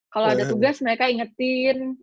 kalau ada tugas mereka ingetin